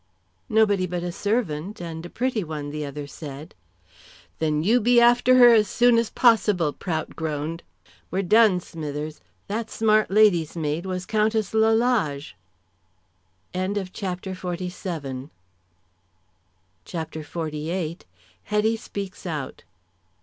"Nobody but a servant, and a pretty one," the other said. "Then you be after her as soon as possible," Prout groaned. "We're done, Smithers. That smart lady's maid was Countess Lalage!" CHAPTER XLVIII. HETTY SPEAKS OUT.